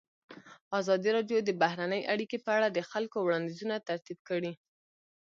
ازادي راډیو د بهرنۍ اړیکې په اړه د خلکو وړاندیزونه ترتیب کړي.